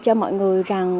cho mọi người rằng